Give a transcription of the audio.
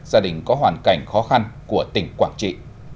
gia đình có hoàn cảnh khó khăn của tỉnh quảng trị